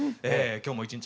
今日も一日。